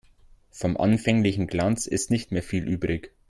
Vom anfänglichen Glanz ist nicht mehr viel übrig.